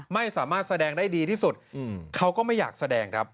ไม่สามารถแสดงได้ดีที่สุดเขาก็ไม่อยากแสดงครับ